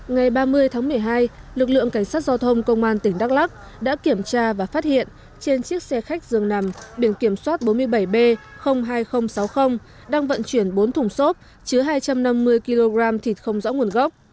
ngày ba mươi tháng một mươi hai lực lượng cảnh sát giao thông công an tỉnh đắk lắc đã kiểm tra và phát hiện trên chiếc xe khách dường nằm biển kiểm soát bốn mươi bảy b hai nghìn sáu mươi đang vận chuyển bốn thùng xốp chứa hai trăm năm mươi kg thịt không rõ nguồn gốc